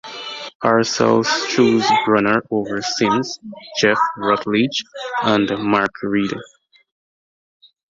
Parcells chose Brunner over Simms, Jeff Rutledge and Mark Reed.